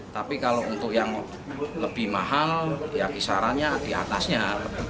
tapi kalau untuk yang lebih mahal ya kisarannya di atasnya